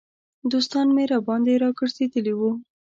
دوستان مې راباندې را ګرځېدلي وو.